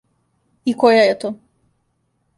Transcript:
И која је то?